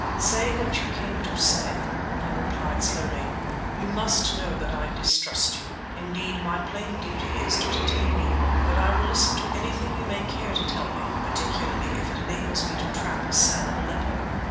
"Say what you came to say," I replied slowly. "You must know that I distrust you. Indeed, my plain duty is to detain you. But I will listen to anything you may care to tell me, particularly if it enables me to trap Hassan of Aleppo."